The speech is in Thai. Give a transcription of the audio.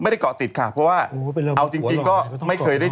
ไม่ได้กำเพลิงถ้าเพราะว่าเอาที่